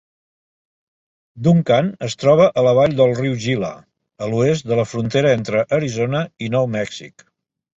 Duncan es troba a la vall del riu Gila, a l'oest de la frontera entre Arizona i Nou Mèxic.